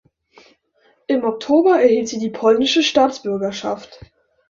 Im Oktober erhielt sie die polnische Staatsbürgerschaft.